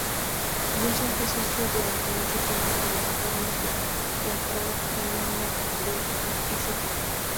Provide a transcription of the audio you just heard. Wilson fue socio durante mucho tiempo de la Compañía Teatral Penumbra de St.